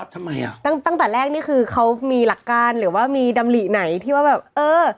ทำไมอ่ะตั้งแต่แรกนี่คือเขามีหลักการหรือว่ามีดำหลิไหนที่ว่าแบบเออ